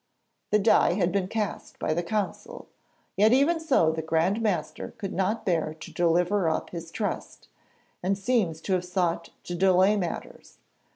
The die had been cast by the council, yet even so the Grand Master could not bear to deliver up his trust, and seems to have sought to delay matters.